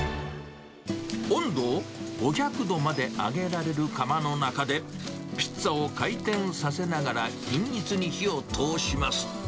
温度を５００度まで上げられる窯の中で、ピッツァを回転させながら、均一に火を通します。